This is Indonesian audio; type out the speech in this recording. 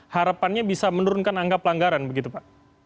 harapannya bisa menurunkan angka pelanggaran begitu pak